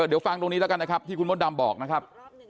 เดี๋ยวฟังตรงนี้แล้วกันนะครับที่คุณมดดำบอกนะครับ